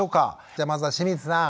じゃあまずは清水さん